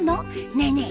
ねえねえ